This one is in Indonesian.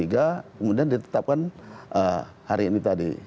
kemudian ditetapkan hari ini tadi